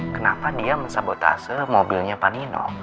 kenapa dia mensabotase mobilnya panino